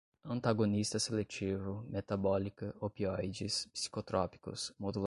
antagonista seletivo, metabólica, opioides, psicotrópicos, modulador alostérico